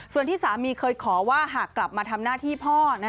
ส่วนที่สามีเคยขอว่าหากกลับมาทำหน้าที่พ่อ